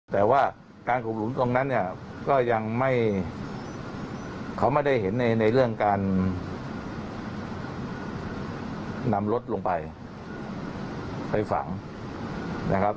แต่ว่าการขุดหลุมตรงนั้นเนี่ยก็ยังไม่เขาไม่ได้เห็นในเรื่องการนำรถลงไปไปฝังนะครับ